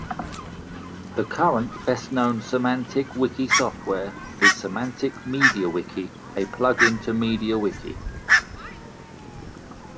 The current best-known semantic wiki software is Semantic MediaWiki, a plugin to MediaWiki.